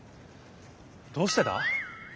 どうしてだ？